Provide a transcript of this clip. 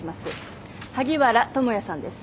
萩原智也さんです。